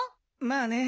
まあね。